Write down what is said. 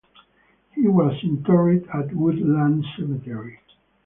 He was interred at Woodland Cemetery.